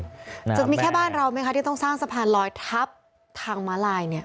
จะมีแค่บ้านเราไหมคะที่ต้องสร้างสะพานลอยทับทางม้าลายเนี่ย